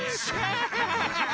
アハハハ！